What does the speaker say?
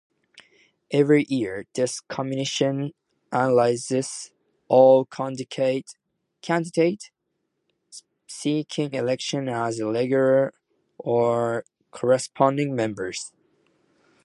Every year, this Commission analyzes all candidates seeking election as regular or corresponding members.